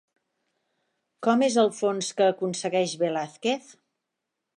Com és el fons que aconsegueix Velázquez?